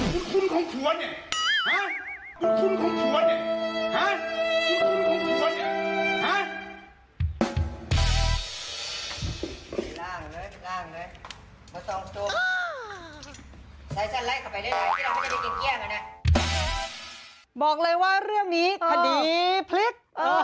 บอกเลยว่าเรื่องนี้คดีพลิก